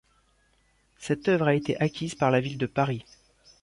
Cette œuvre a été acquise par la Ville de Paris.